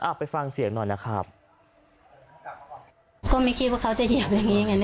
อ่ะไปฟังเสียงหน่อยนะครับก็ไม่คิดว่าเขาจะเหยียบแบบนี้ไง